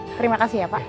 terima kasih ya pak